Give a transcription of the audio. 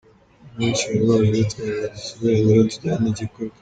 Abenshi bari baje bitwaje utu tubendera tujyanye n’igikorwa.